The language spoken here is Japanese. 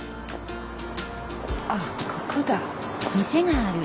あっここだ。